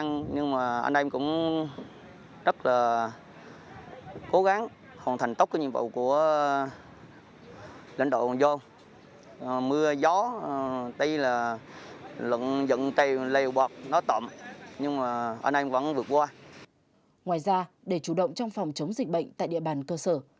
ngoài ra để chủ động trong phòng chống dịch bệnh tại địa bàn cơ sở